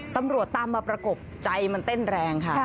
ตำรวจตามมาประกบใจมันเต้นแรงค่ะ